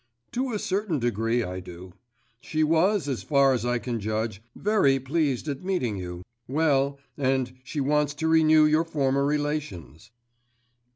'To a certain degree I do. She was, as far as I can judge, very pleased at meeting you, well, and she wants to renew your former relations.